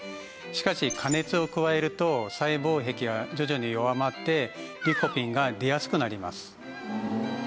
しかし加熱を加えると細胞壁が徐々に弱まってリコピンが出やすくなります。